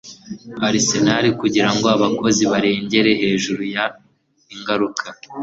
Arsenal kugirango abakozi barengere hejuru ya ingaruka